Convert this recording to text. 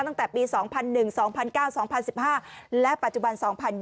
ตั้งแต่ปี๒๐๐๑๒๐๐๙๒๐๑๕และปัจจุบัน๒๐๒๐